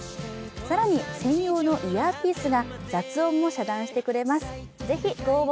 更に専用のイヤーピースが雑音も遮断してくれます。